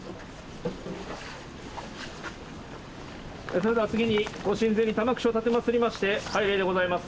それでは次に御神前に玉串を奉りまして拝礼でございます。